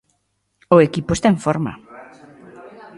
O equipo está en forma.